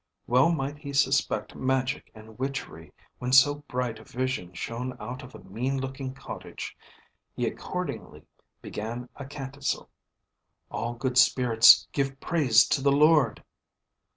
Well might he suspect magic and witchery, when so bright a vision shone out of a mean looking cottage; he accordingly began a canticle, "All good spirits give praise to the Lord!"